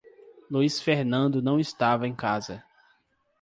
Luiz Fernando não estava em casa.